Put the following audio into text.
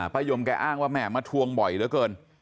ยมแกอ้างว่าแม่มาทวงบ่อยเหลือเกิน